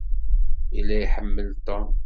Yella iḥemmel Tom.